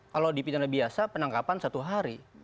kalau di pidana biasa penangkapan satu hari